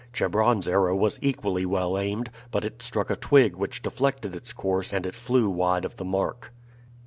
Chebron's arrow was equally well aimed, but it struck a twig which deflected its course and it flew wide of the mark.